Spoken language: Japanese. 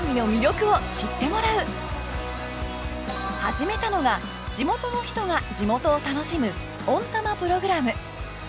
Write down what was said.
始めたのが地元の人が地元を楽しむ「オンたま」プログラム。